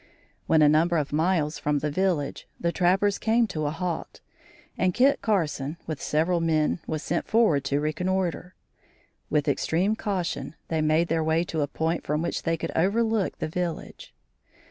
When a number of miles from the village, the trappers came to a halt, and Kit Carson with several men was sent forward to reconnoitre. With extreme caution they made their way to a point from which they could overlook the village.